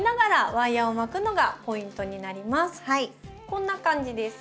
こんな感じです。